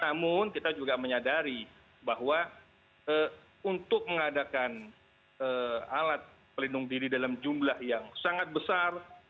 namun kita juga menyadari bahwa untuk mengadakan alat pelindung diri dalam jumlah yang sangat besar